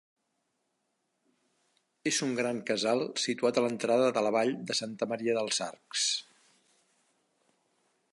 És un gran casal situat a l'entrada de la Vall de Santa Maria dels Arcs.